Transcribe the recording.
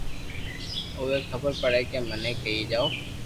اووي خبر پڙي ڪي مني ڪيئي جاو